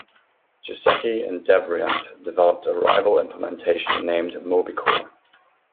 Giesecke and Devrient developed a rival implementation named Mobicore.